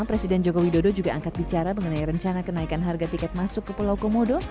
presiden joko widodo juga angkat bicara mengenai rencana kenaikan harga tiket masuk ke pulau komodo